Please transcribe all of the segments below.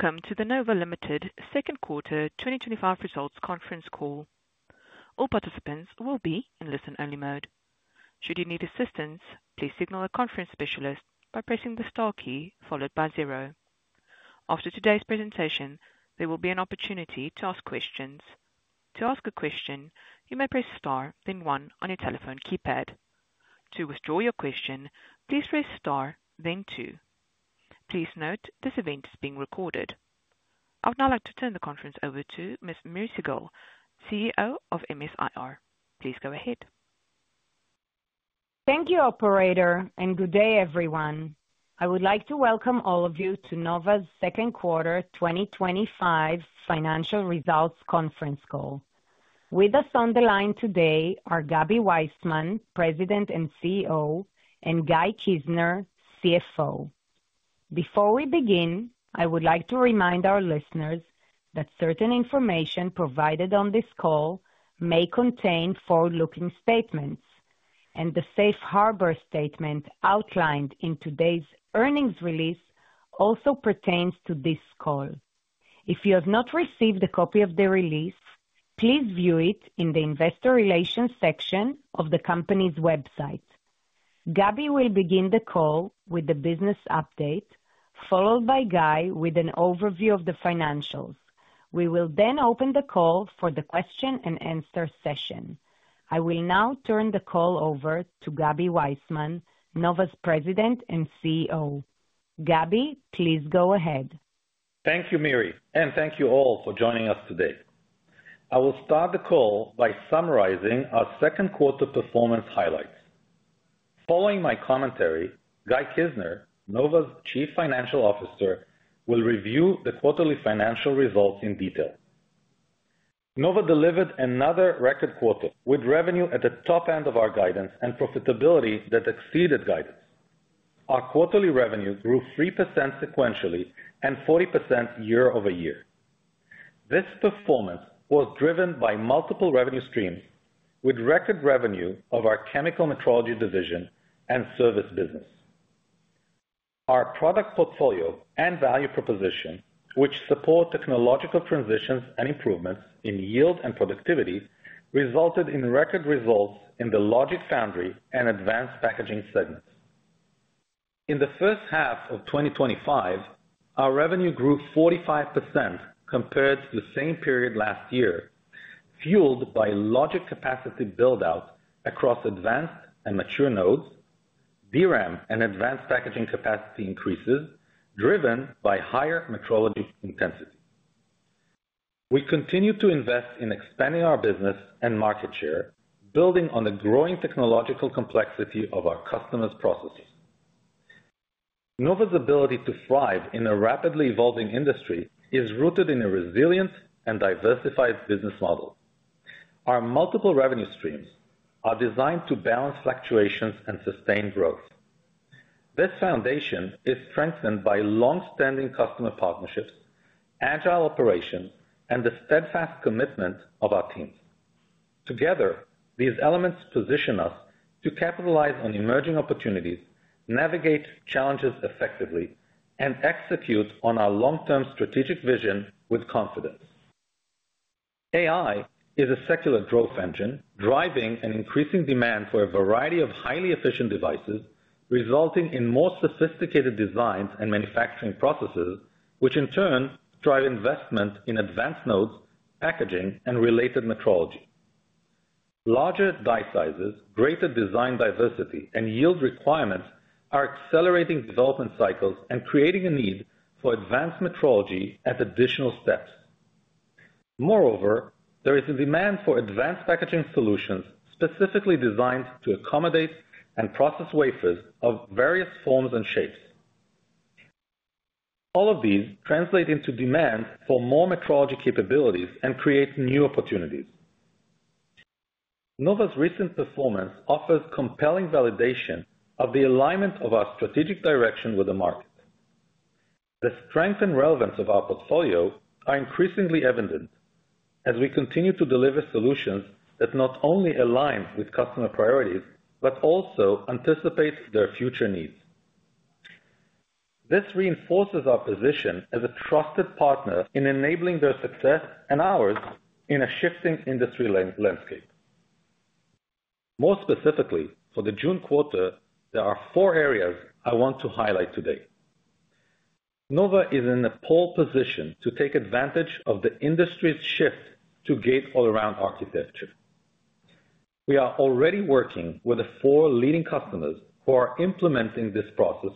Welcome to the Nova Ltd. Second Quarter 2025 Results Conference Call. All participants will be in listen-only mode. Should you need assistance, please signal a conference specialist by pressing the Star, key followed by zero. After today's presentation, there will be an opportunity to ask questions. To ask a question, you may press star then one on your telephone keypad. To withdraw your question, please press Star, then two. Please note this event is being recorded. I would now like to turn the conference over to Ms. Miri Segal, CEO of MS-IR. Please go ahead. Thank you, operator, and good day, everyone. I would like to welcome all of you to Nova's Second Quarter 2025 Financial Results Conference call. With us on the line today are Gaby Waisman, President and CEO, and Guy Kizner, CFO. Before we begin, I would like to remind our listeners that certain information provided on this call may contain forward-looking statements, and the safe harbor statement outlined in today's earnings release also pertains to this call. If you have not received a copy of the release, please view it in the investor relations section of the company's website. Gaby will begin the call with the business update, followed by Guy with an overview of the financials. We will then open the call for the question-and-answer session. I will now turn the call over to Gaby Waisman, Nova's President and CEO. Gaby, please go ahead. Thank you, Miri, and thank you all for joining us today. I will start the call by summarizing our second quarter performance highlights. Following my commentary, Guy Kizner, Nova's Chief Financial Officer, will review the quarterly financial results in detail. Nova delivered another record quarter with revenue at the top end of our guidance and profitability that exceeded guidance. Our quarterly revenue grew 3% sequentially and 40% year-over-year. This performance was driven by multiple revenue streams, with record revenue of our Chemical Metrology division and service business. Our product portfolio and value proposition, which support technological transitions and improvements in yield and productivity, resulted in record results in the Logic foundry and advanced packaging segments. In the first half of 2025, our revenue grew 45% compared to the same period last year, fueled by logic capacity buildout across advanced and mature nodes, DRAM, and advanced packaging capacity increases driven by higher metrology intensity. We continue to invest in expanding our business and market share, building on the growing technological complexity of our customers' processes. Nova's ability to thrive in a rapidly evolving industry is rooted in a resilient and diversified business model. Our multiple revenue streams are designed to balance fluctuations and sustain growth. This foundation is strengthened by longstanding customer partnerships, agile operations, and the steadfast commitment of our teams. Together, these elements position us to capitalize on emerging opportunities, navigate challenges effectively, and execute on our long-term strategic vision with confidence. AI is a secular growth engine, driving an increasing demand for a variety of highly efficient devices, resulting in more sophisticated designs and manufacturing processes, which in turn drive investment in advanced nodes, packaging, and related metrology. Larger die sizes, greater design diversity, and yield requirements are accelerating development cycles and creating a need for advanced metrology at additional steps. Moreover, there is a demand for advanced packaging solutions specifically designed to accommodate and process wafers of various forms and shapes. All of these translate into demand for more metrology capabilities and create new opportunities. Nova's recent performance offers compelling validation of the alignment of our strategic direction with the market. The strength and relevance of our portfolio are increasingly evident as we continue to deliver solutions that not only align with customer priorities but also anticipate their future needs. This reinforces our position as a trusted partner in enabling their success and ours in a shifting industry landscape. More specifically, for the June quarter, there are four areas I want to highlight today. Nova is in a pole position to take advantage of the industry's shift to gate all-around architecture. We are already working with the four leading customers who are implementing this process.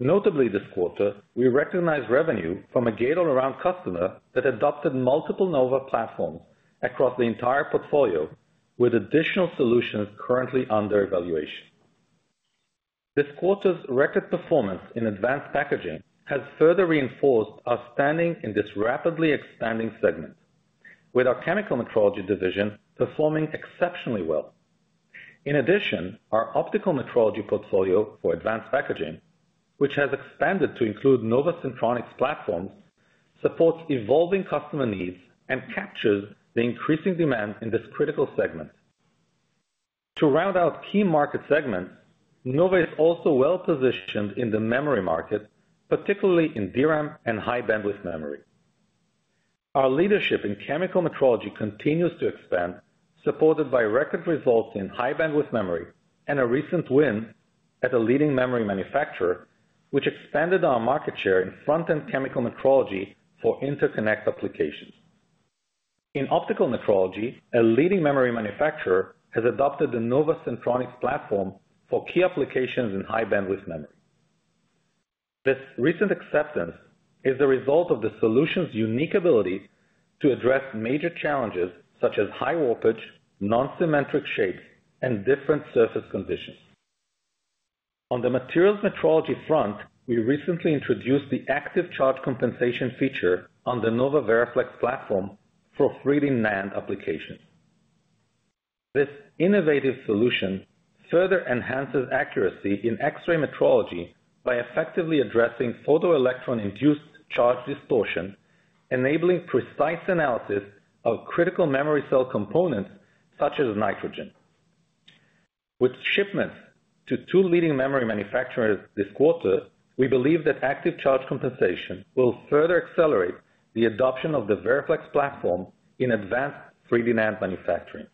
Notably, this quarter, we recognize revenue from a gate all-around customer that adopted multiple Nova platforms across the entire portfolio, with additional solutions currently under evaluation. This quarter's record performance in advanced packaging has further reinforced our standing in this rapidly expanding segment, with our Chemical Metrology division performing exceptionally well. In addition, our Optical Metrology portfolio for advanced packaging, which has expanded to include Nova Syntronics platforms, supports evolving customer needs and captures the increasing demand in this critical segment. To round out key market segments, Nova is also well positioned in the memory market, particularly in DRAM and high-bandwidth memory. Our leadership in chemical metrology continues to expand, supported by record results in high-bandwidth memory and a recent win at a leading memory manufacturer, which expanded our market share in front-end chemical metrology for interconnect applications. In optical metrology, a leading memory manufacturer has adopted the Nova Syntronics platform for key applications in high-bandwidth memory. This recent acceptance is the result of the solution's unique ability to address major challenges such as high warpage, non-symmetric shapes, and different surface conditions. On the materials metrology front, we recently introduced the active charge compensation feature on the Nova Veriflex platform for 3D NAND application. This innovative solution further enhances accuracy in X-ray metrology by effectively addressing photoelectron-induced charge distortion, enabling precise analysis of critical memory cell components such as nitrogen. With shipments to two leading memory manufacturers this quarter, we believe that active charge compensation will further accelerate the adoption of the Veriflex platform in advanced 3D NAND manufacturing.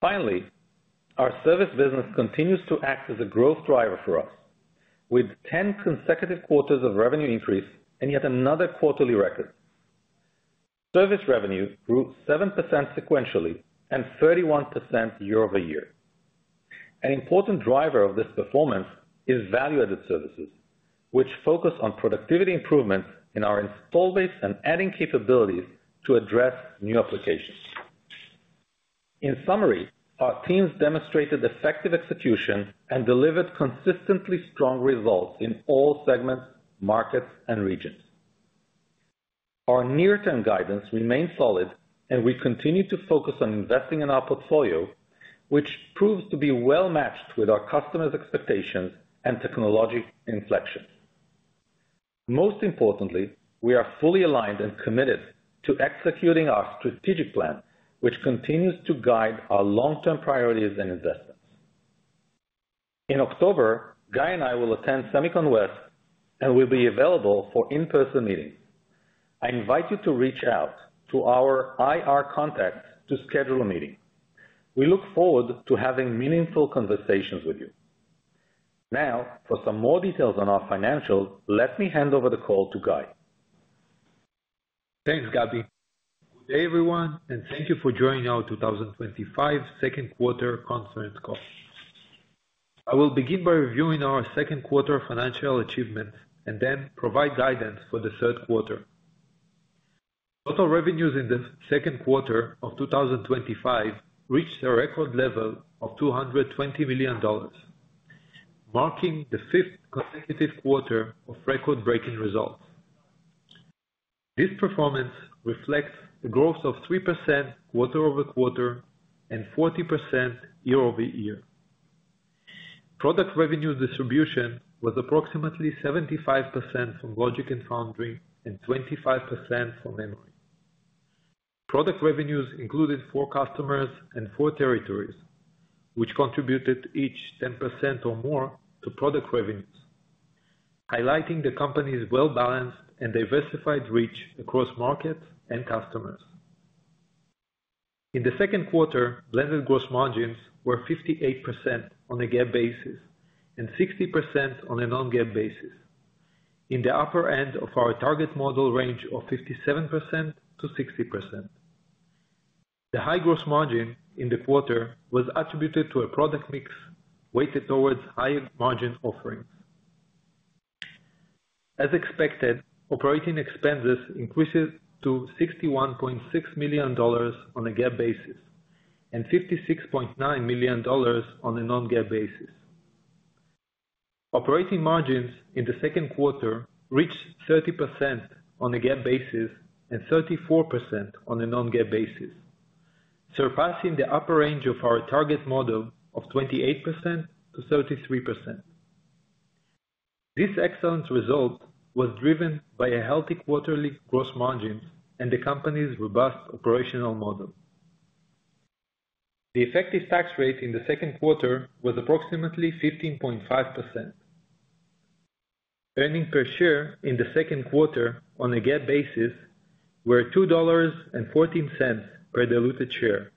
Finally, our service business continues to act as a growth driver for us, with 10 consecutive quarters of revenue increase and yet another quarterly record. Service revenue grew 7% sequentially and 31% year-over-year. An important driver of this performance is value-added services, which focus on productivity improvements in our install rates and adding capabilities to address new applications. In summary, our teams demonstrated effective execution and delivered consistently strong results in all segments, markets, and regions. Our near-term guidance remains solid, and we continue to focus on investing in our portfolio, which proves to be well matched with our customers' expectations and technological inflection. Most importantly, we are fully aligned and committed to executing our strategic plan, which continues to guide our long-term priorities and investments. In October, Guy and I will attend Semicon West and will be available for in-person meetings. I invite you to reach out to our IR contacts to schedule a meeting. We look forward to having meaningful conversations with you. Now, for some more details on our financials, let me hand over the call to Guy. Thanks, Gaby. Hey everyone, and thank you for joining our 2025 second quarter conference call. I will begin by reviewing our second quarter financial achievements and then provide guidance for the third quarter. Total revenues in the second quarter of 2025 reached a record level of $220 million, marking the fifth consecutive quarter of record-breaking results. This performance reflects a growth of 3% quarter-over-quarter and 40% year-over-year. Product revenue distribution was approximately 75% from Logic and Foundry and 25% from Memory. Product revenues included four customers and four territories, which contributed each 10% or more to product revenues, highlighting the company's well-balanced and diversified reach across markets and customers. In the second quarter, blended gross margins were 58% on a GAAP basis and 60% on a non-GAAP basis, in the upper end of our target model range of 57%-60%. The high gross margin in the quarter was attributed to a product mix weighted towards higher margin offerings. As expected, operating expenses increased to $61.6 million on a GAAP basis and $56.9 million on a non-GAAP basis. Operating margins in the second quarter reached 30% on a GAAP basis and 34% on a non-GAAP basis, surpassing the upper range of our target model of 28%-33%. This excellent result was driven by a healthy quarterly gross margin and the company's robust operational model. The effective tax rate in the second quarter was approximately 15.5%. Earnings per share in the second quarter on a GAAP basis were $2.14 per diluted share,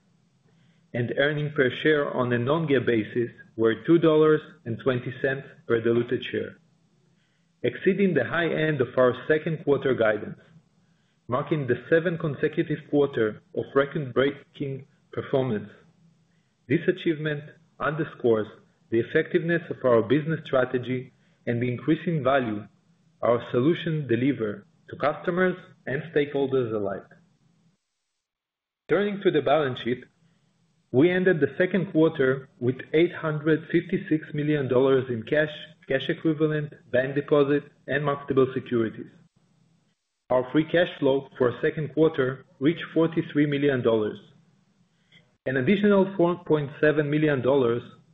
and earnings per share on a non-GAAP basis were $2.20 per diluted share, exceeding the high end of our second quarter guidance, marking the seventh consecutive quarter of record-breaking performance. This achievement underscores the effectiveness of our business strategy and the increasing value our solutions deliver to customers and stakeholders alike. Turning to the balance sheet, we ended the second quarter with $856 million in cash, cash equivalent, bank deposit, and marketable securities. Our free cash flow for the second quarter reached $43 million. An additional $4.7 million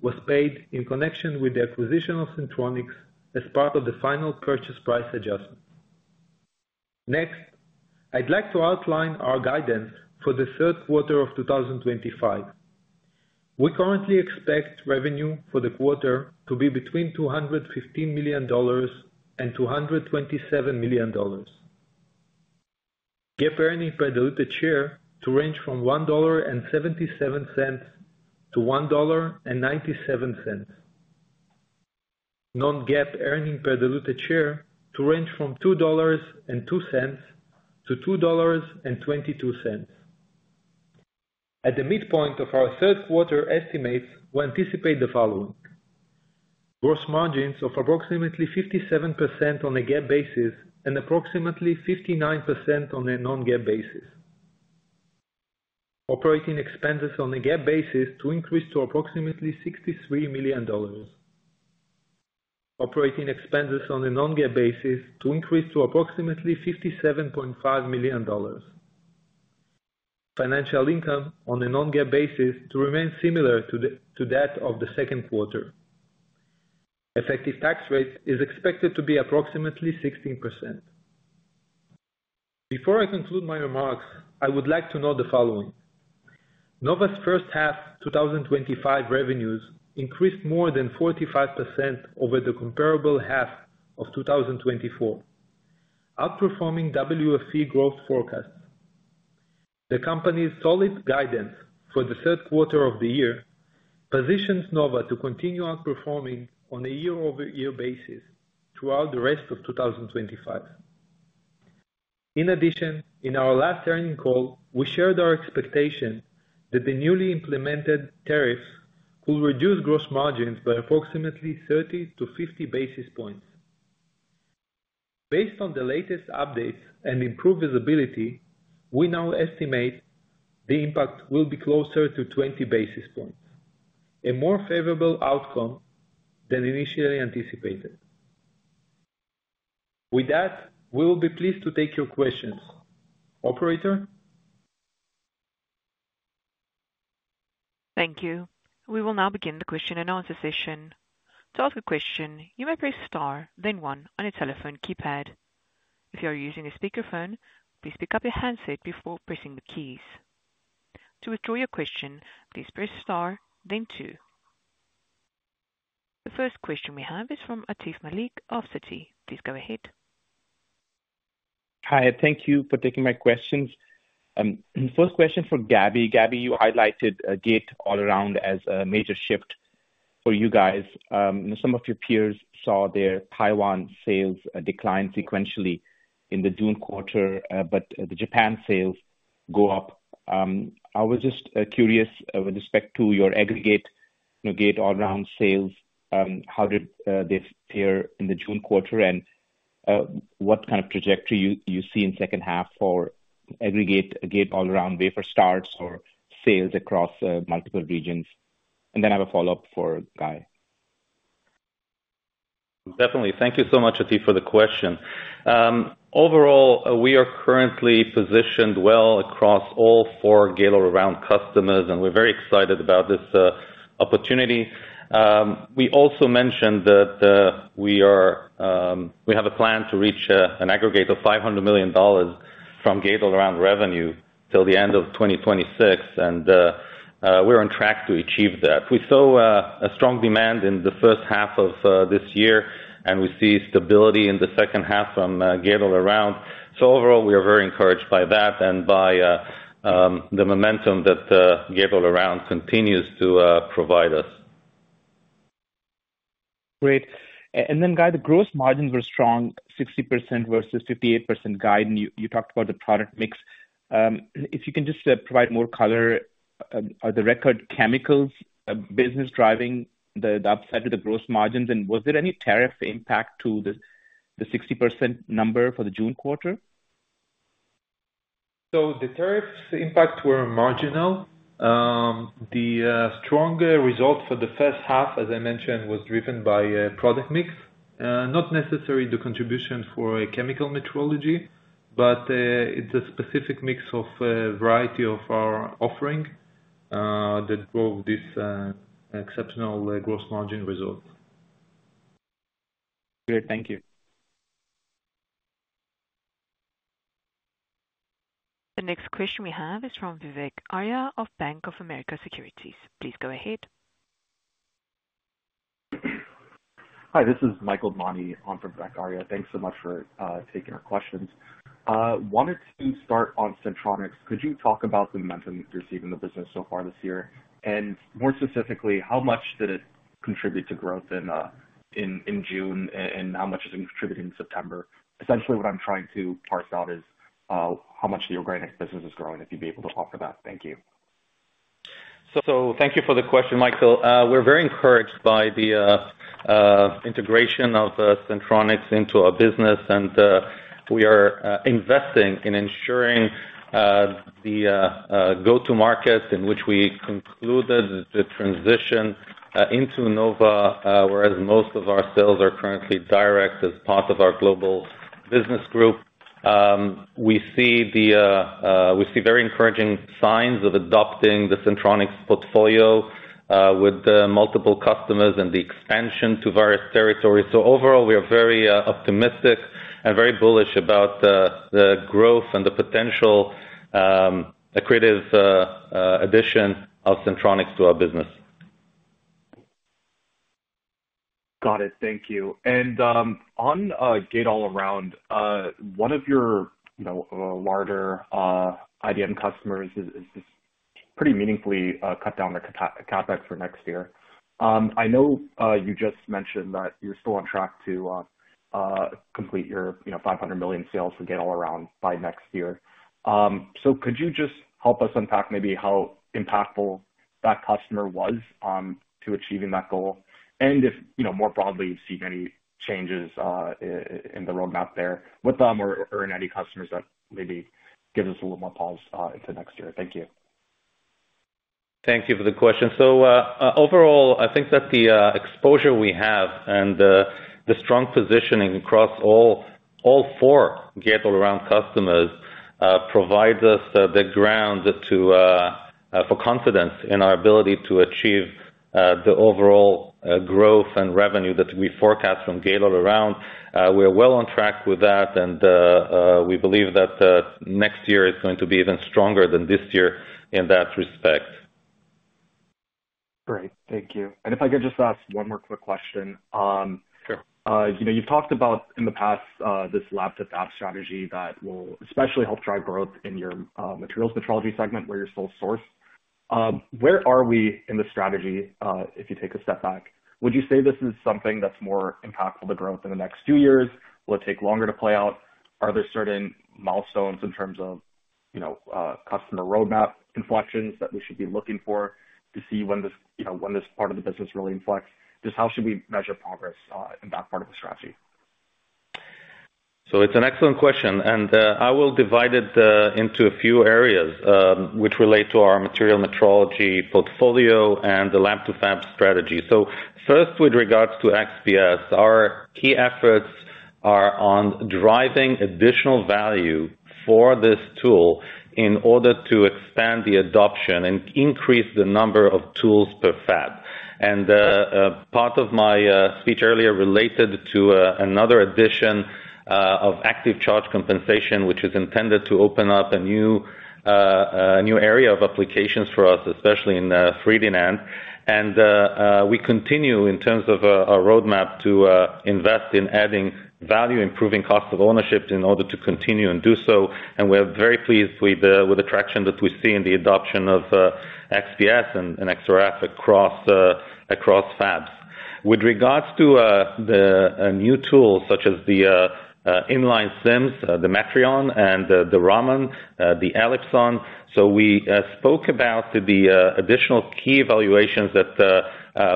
was paid in connection with the acquisition of Syntronics as part of the final purchase price adjustment. Next, I'd like to outline our guidance for the third quarter of 2025. We currently expect revenue for the quarter to be between $215 million and $227 million. GAAP earnings per diluted share to range from $1.77-$1.97. Non-GAAP earnings per diluted share to range from $2.02-$2.22. At the midpoint of our third quarter estimates, we anticipate the following: gross margins of approximately 57% on a GAAP basis and approximately 59% on a non-GAAP basis. Operating expenses on a GAAP basis to increase to approximately $63 million. Operating expenses on a non-GAAP basis to increase to approximately $57.5 million. Financial income on a non-GAAP basis to remain similar to that of the second quarter. Effective tax rate is expected to be approximately 16%. Before I conclude my remarks, I would like to note the following: Nova's first half 2025 revenues increased more than 45% over the comparable half of 2024, outperforming WFE growth forecasts. The company's solid guidance for the third quarter of the year positions Nova to continue outperforming on a year-over-year basis throughout the rest of 2025. In addition, in our last earnings call, we shared our expectation that the newly implemented tariffs will reduce gross margins by approximately 30-50 basis points. Based on the latest updates and improved visibility, we now estimate the impact will be closer to 20 basis points, a more favorable outcome than initially anticipated. With that, we will be pleased to take your questions. Operator? Thank you. We will now begin the question-and-answer session. To ask a question, you may press Star, then one, on your telephone keypad. If you are using a speakerphone, please pick up your handset before pressing the keys. To withdraw your question, please press Star, then two. The first question we have is from Atif Malik of Citi. Please go ahead. Hi, thank you for taking my questions. First question for Gaby. Gaby, you highlighted gate all-around as a major shift for you guys. Some of your peers saw their Taiwan sales decline sequentially in the June quarter, but the Japan sales go up. I was just curious with respect to your aggregate gate all-around sales. How did they appear in the June quarter, and what kind of trajectory do you see in the second half for aggregate gate all-around wafer starts or sales across multiple regions? I have a follow-up for Guy. Definitely. Thank you so much, Atif, for the question. Overall, we are currently positioned well across all four gate all-around customers, and we're very excited about this opportunity. We also mentioned that we have a plan to reach an aggregate of $500 million from gate all-around revenue till the end of 2026, and we're on track to achieve that. We saw a strong demand in the first half of this year, and we see stability in the second half from gate all-around. Overall, we are very encouraged by that and by the momentum that gate all-around continues to provide us. Great. Guy, the gross margins were strong, 60% versus 58%. Guy, you talked about the product mix. If you can just provide more color, are the record Chemical Metrology business driving the upside of the gross margins? Was there any tariff impact to the 60% number for the June quarter? The tariff impacts were marginal. The stronger result for the first half, as I mentioned, was driven by a product mix, not necessarily the contribution for Chemical Metrology, but it's a specific mix of a variety of our offering that drove this exceptional gross margin result. Great, thank you. The next question we have is from Vivek Arya of Bank of America Securities. Please go ahead. Hi, this is Michael Mani on for Vivek Arya. Thanks so much for taking our questions. I wanted to start on Syntronics. Could you talk about the momentum you've been receiving in the business so far this year? More specifically, how much did it contribute to growth in June and how much has it contributed in September? Essentially, what I'm trying to parse out is how much the organics business is growing, if you'd be able to offer that. Thank you. Thank you for the question, Michael. We're very encouraged by the integration of Syntronics into our business, and we are investing in ensuring the go-to-market in which we concluded the transition into Nova, whereas most of our sales are currently direct as part of our global business group. We see very encouraging signs of adopting the Syntronics portfolio with multiple customers and the expansion to various territories. Overall, we are very optimistic and very bullish about the growth and the potential creative additions of Syntronics to our business. Got it. Thank you. On gate all-around, one of your larger IDM customers has just pretty meaningfully cut down their CapEx for next year. I know you just mentioned that you're still on track to complete your $500 million sales for gate all-around by next year. Could you help us unpack maybe how impactful that customer was to achieving that goal? If more broadly, you've seen any changes in the roadmap there with them or in any customers that maybe give us a little more pause into next year. Thank you. Thank you for the question. Overall, I think that the exposure we have and the strong positioning across all four gate all-around customers provides us the ground for confidence in our ability to achieve the overall growth and revenue that we forecast from gate all-around. We're well on track with that, and we believe that next year is going to be even stronger than this year in that respect. Great, thank you. If I could just ask one more quick question. Sure. You've talked about in the past this lab-to-fab strategy that will especially help drive growth in your materials metrology segment where you're sole source. Where are we in the strategy if you take a step back? Would you say this is something that's more impactful to growth in the next few years? Will it take longer to play out? Are there certain milestones in terms of customer roadmap inflections that we should be looking for to see when this part of the business really inflects? Just how should we measure progress in that part of the strategy? It's an excellent question. I will divide it into a few areas which relate to our materials metrology portfolio and the lab-to-fab strategy. First, with regards to XPS, our key efforts are on driving additional value for this tool in order to expand the adoption and increase the number of tools per fab. Part of my speech earlier related to another addition of active charge compensation, which is intended to open up a new area of applications for us, especially in 3D NAND. We continue in terms of our roadmap to invest in adding value, improving cost of ownership in order to continue and do so. We're very pleased with the traction that we see in the adoption of XPS and XRF across fabs. With regards to the new tools such as the inline SIMs, the Matreon and the Raman, the Elipson, we spoke about the additional key evaluations that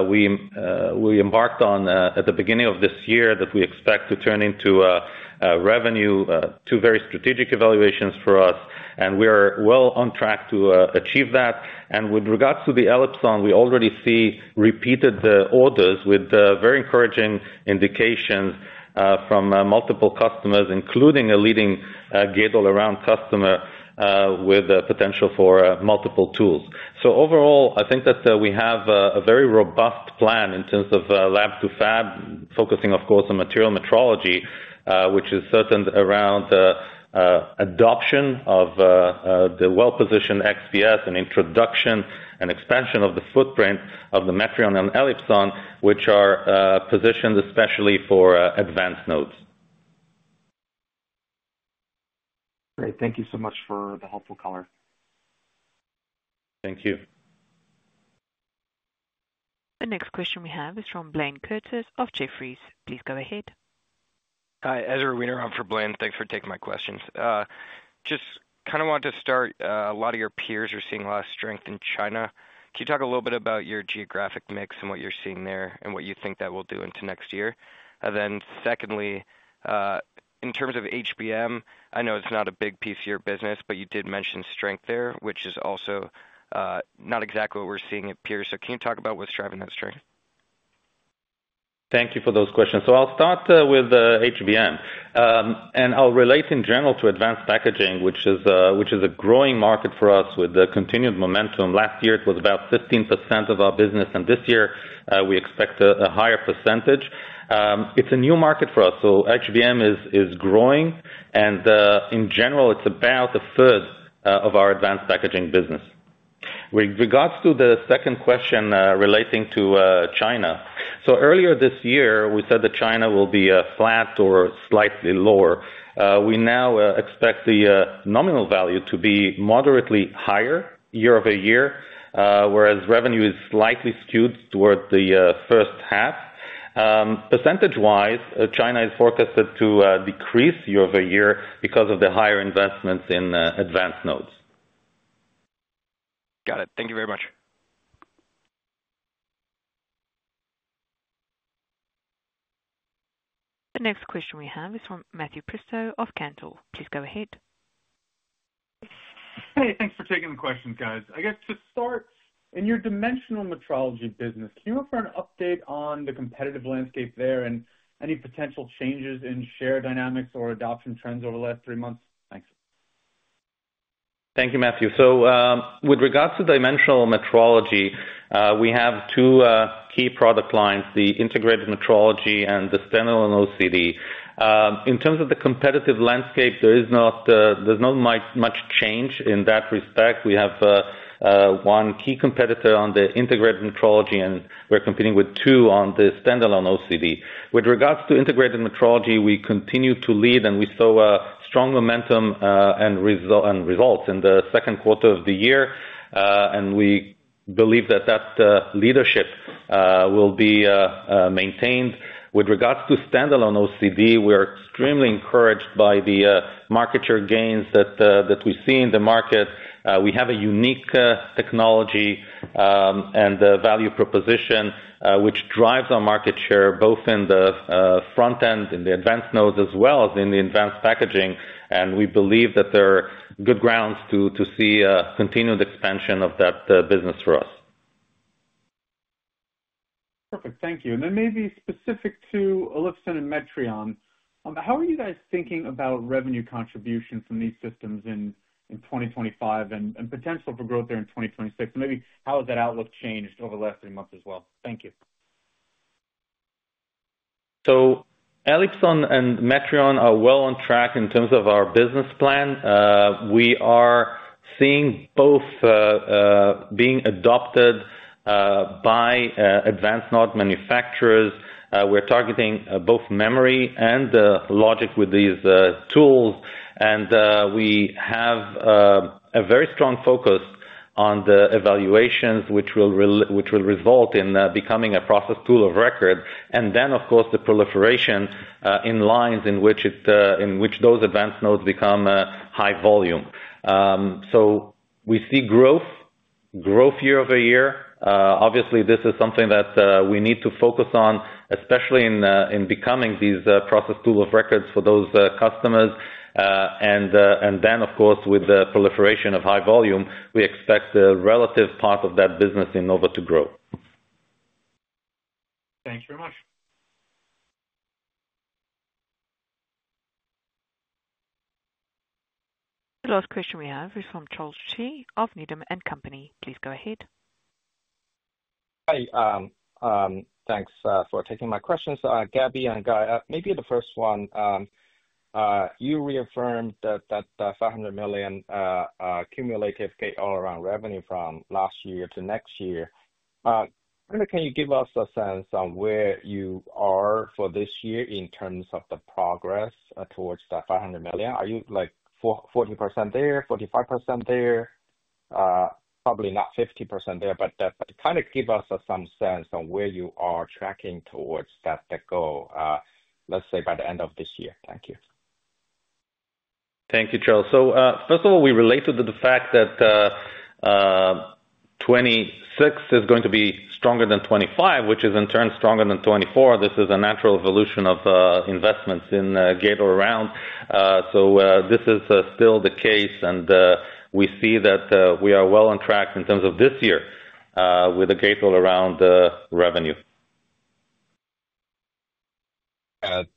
we embarked on at the beginning of this year that we expect to turn into revenue, two very strategic evaluations for us. We are well on track to achieve that. With regards to the Elipson, we already see repeated orders with very encouraging indications from multiple customers, including a leading gate all-around customer with the potential for multiple tools. Overall, I think that we have a very robust plan in terms of lab-to-fab, focusing, of course, on materials metrology, which is certain around adoption of the well-positioned XPS and introduction and expansion of the footprint of the Matreon and Elipson, which are positioned especially for advanced nodes. Great, thank you so much for the helpful color. Thank you. The next question we have is from Blayne Curtis of Jefferies. Please go ahead. Hi, Ezra Wiener on for Blayne. Thanks for taking my questions. I just kind of wanted to start. A lot of your peers are seeing a lot of strength in China. Can you talk a little bit about your geographic mix and what you're seeing there and what you think that will do into next year? Secondly, in terms of HBM, I know it's not a big piece of your business, but you did mention strength there, which is also not exactly what we're seeing at peers. Can you talk about what's driving that strength? Thank you for those questions. I'll start with high-bandwidth memory. I'll relate in general to advanced packaging, which is a growing market for us with the continued momentum. Last year, it was about 15% of our business, and this year we expect a higher percentage. It's a new market for us. High-bandwidth memory is growing, and in general, it's about a third of our advanced packaging business. With regards to the second question relating to China, earlier this year we said that China will be flat or slightly lower. We now expect the nominal value to be moderately higher year-over-year, whereas revenue is slightly skewed toward the first half. Percentage-wise, China is forecasted to decrease year-over-year because of the higher investments in advanced nodes. Got it. Thank you very much. The next question we have is from Matthew Preston of Cantor. Please go ahead. Hey, thanks for taking the questions, guys. I guess to start, in your dimensional metrology business, can you offer an update on the competitive landscape there and any potential changes in share dynamics or adoption trends over the last three months? Thanks. Thank you, Matthew. With regards to dimensional metrology, we have two key product lines, the integrated metrology and the standalone OCD. In terms of the competitive landscape, there is not much change in that respect. We have one key competitor on the integrated metrology, and we're competing with two on the standalone OCD. With regards to integrated metrology, we continue to lead, and we saw strong momentum and results in the second quarter of the year. We believe that that leadership will be maintained. With regards to standalone OCD, we're extremely encouraged by the market share gains that we see in the market. We have a unique technology and value proposition which drives our market share both in the front end, in the advanced nodes, as well as in the advanced packaging. We believe that there are good grounds to see continued expansion of that business for us. Perfect, thank you. Maybe specific to Elipson and Matreon, how are you guys thinking about revenue contributions from these systems in 2025 and potential for growth there in 2026? How has that outlook changed over the last three months as well? Thank you. Elipson and Matreon are well on track in terms of our business plan. We are seeing both being adopted by advanced node manufacturers. We're targeting both Memory and Logic with these tools. We have a very strong focus on the evaluations which will result in becoming a process tool of record. Of course, the proliferation in lines in which those advanced nodes become high volume is important. We see growth year-over-year. Obviously, this is something that we need to focus on, especially in becoming these process tools of record for those customers. With the proliferation of high volume, we expect the relative part of that business in Nova to grow. Thank you very much. The last question we have is from Charles Shi of Needham & Company. Please go ahead. Hi, thanks for taking my questions. Gaby and Guy, maybe the first one, you reaffirmed that $500 million cumulative gate all-around revenue from last year to next year. Can you give us a sense on where you are for this year in terms of the progress towards that $500 million? Are you like 40% there, 45% there? Probably not 50% there, but give us some sense on where you are tracking towards that goal, let's say by the end of this year. Thank you. Thank you, Charles. First of all, we relate to the fact that 2026 is going to be stronger than 2025, which is in turn stronger than 2024. This is a natural evolution of investments in gate all-around. This is still the case, and we see that we are well on track in terms of this year with the gate all-around revenue.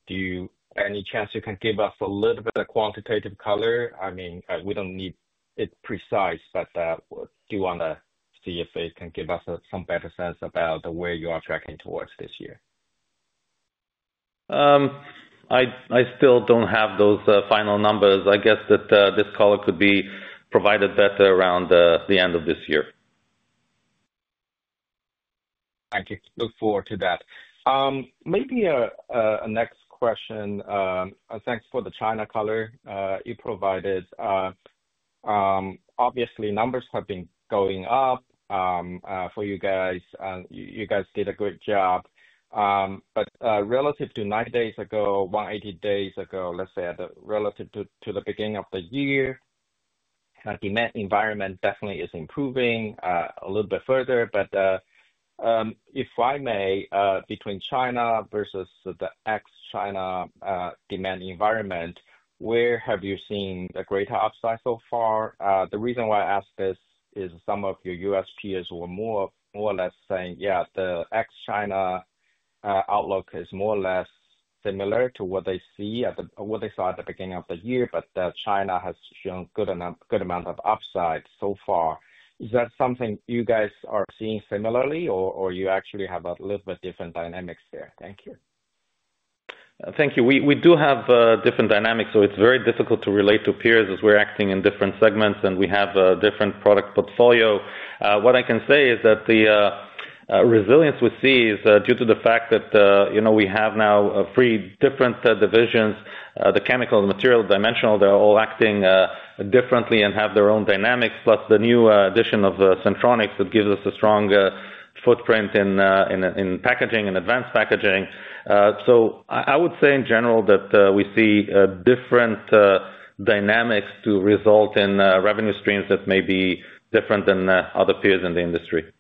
Do you have any chance you can give us a little bit of quantitative color? I mean, we don't need it precise, but do you want to see if you can give us some better sense about where you are tracking towards this year? I still don't have those final numbers. I guess that this color could be provided better around the end of this year. I can look forward to that. Maybe a next question. Thanks for the China color you provided. Obviously, numbers have been going up for you guys, and you guys did a great job. Relative to 90 days ago, 180 days ago, let's say relative to the beginning of the year, the demand environment definitely is improving a little bit further. If I may, between China versus the ex-China demand environment, where have you seen a greater upside so far? The reason why I ask this is some of your U.S. peers were more or less saying the ex-China outlook is more or less similar to what they saw at the beginning of the year, but China has shown a good amount of upside so far. Is that something you guys are seeing similarly, or do you actually have a little bit different dynamics there? Thank you. Thank you. We do have different dynamics, so it's very difficult to relate to peers as we're acting in different segments and we have a different product portfolio. What I can say is that the resilience we see is due to the fact that we have now three different divisions: the Chemical Metrology, the materials metrology, and dimensional. They're all acting differently and have their own dynamics, plus the new addition of Syntronics that gives us a strong footprint in packaging and advanced packaging. I would say in general that we see different dynamics to result in revenue streams that may be different than other peers in the industry.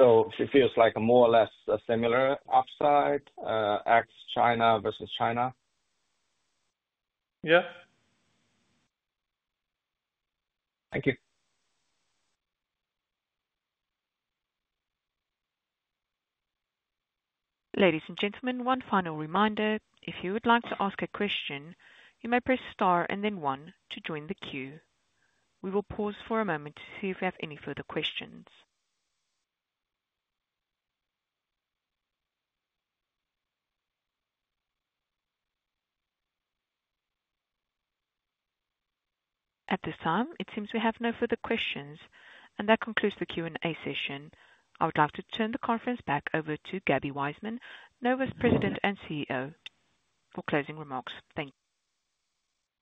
It feels like a more or less similar upside, ex-China versus China? Yeah. Thank you. Ladies and gentlemen, one final reminder. If you would like to ask a question, you may press Star, and then one to join the queue. We will pause for a moment to see if we have any further questions. At this time, it seems we have no further questions, and that concludes the Q&A session. I would like to turn the conference back over to Gaby Waisman, Nova's President and CEO, for closing remarks. Thank you.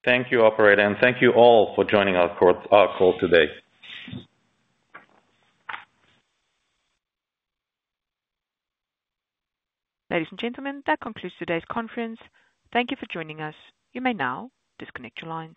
Thank you, operator, and thank you all for joining our call today. Ladies and gentlemen, that concludes today's conference. Thank you for joining us. You may now disconnect your lines.